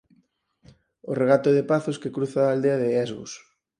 O regato de Pazos que cruza a aldea de Esgos.